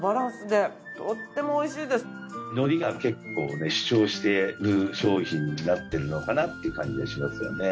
のりが結構ね主張してる商品になっているのかなっていう感じがしますよね。